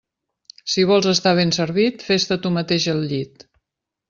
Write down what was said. Si vols estar ben servit, fes-te tu mateix el llit.